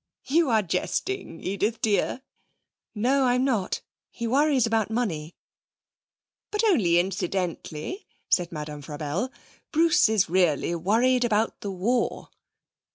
'You are jesting, Edith dear.' 'No, I'm not. He worries about money.' 'But only incidentally,' said Madame Frabelle. 'Bruce is really worried about the war.'